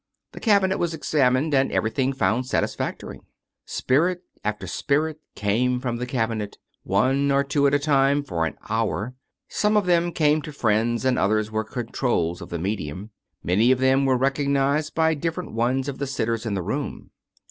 The cabinet was examined and everything found satis factory. Spirit after spirit came from the cabinet, one or two at a time for an hour ; some of them came to friends, and others were " controls " of the medium. Many of them were rec ognized by different ones of the sitters in the room.